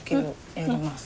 やります。